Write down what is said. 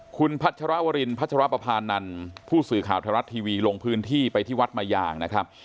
คุณพัชรวรินพัชรปภานันทร์ผู้สื่อข่าวไทยรัฐทีวีลงพื้นที่ไปที่วัดมายางนะครับ